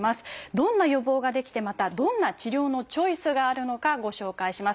どんな予防ができてまたどんな治療のチョイスがあるのかご紹介します。